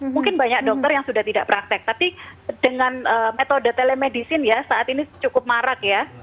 mungkin banyak dokter yang sudah tidak praktek tapi dengan metode telemedicine ya saat ini cukup marak ya